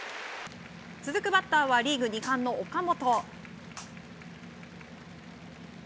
続くバッターはリーグ２冠の岡本。